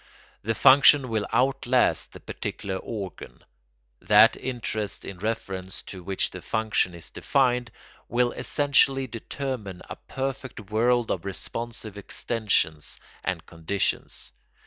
The function will outlast the particular organ. That interest in reference to which the function is defined will essentially determine a perfect world of responsive extensions and conditions.